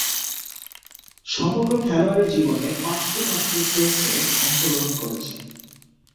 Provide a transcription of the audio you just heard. সমগ্র খেলোয়াড়ী জীবনে পাঁচটিমাত্র টেস্টে অংশগ্রহণ করেছেন।